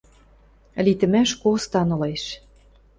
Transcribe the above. Литӹмӓш костан ылеш.